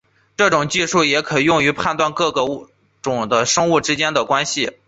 这种技术也可以用来判断各个种的生物之间的关系。